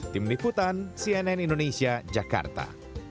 tim liputan cnn indonesia jakarta